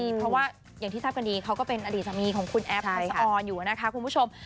เพราะว่าอย่างที่ทราบกันดีเขาก็เป็นอดีตสามีของคุณแอฟทักษะออนอยู่นะคะคุณผู้ชม